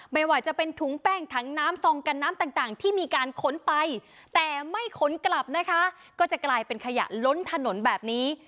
ไม่ว่าจะเป็นถุงแป้งถังน้ำซองกันน้ำต่างที่มีการขนไปแต่ไม่ขนกลับนะคะก็จะกลายเป็นขยะล้นถนนแบบนี้